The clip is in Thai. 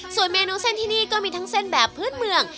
ส่วนเมนูเส้นที่นี่ก็มีทั้งเส้นแบบพื้นเมือง